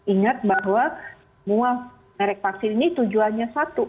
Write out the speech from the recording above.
ingat bahwa semua merek vaksin ini tujuannya satu